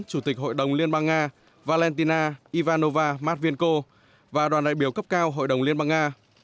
chủ tịch hội đồng liên bang nga valentina ivanova matvienko và đoàn đại biểu cấp cao hội đồng liên bang nga